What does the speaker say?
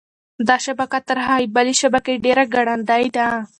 دا شبکه تر هغې بلې شبکې ډېره ګړندۍ ده.